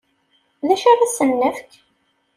D acu ara asen-nefk?